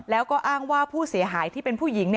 แล้วก็อ้างว่าผู้เสียหายที่เป็นผู้หญิง